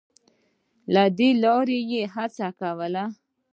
له دې لارې به یې هڅه کوله